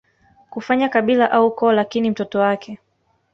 kufanya kabila au ukoo Lakini mtoto wake